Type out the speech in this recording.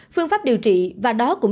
phương pháp điều trị và đó cũng chính